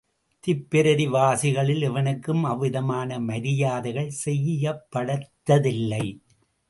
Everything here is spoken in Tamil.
திப்பெரரி வாசிகளில் எவனுக்கும் அவ்விதமான மரியாதைகள் செய்யப்பட்டதில்லை.